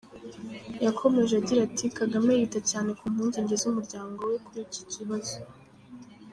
Yakomeje agira ati “Kagame yita cyane ku mpungenge z’umuryango we kuri icyo kibazo.